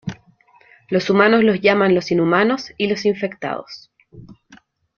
Los humanos los llaman "Los Inhumanos" y los "Infectados".